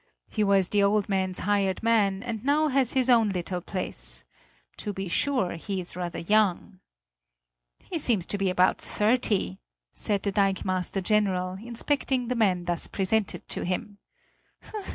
He was the old man's hired man and now has his own little place; to be sure, he is rather young." "He seems to be about thirty," said the dikemaster general, inspecting the man thus presented to him.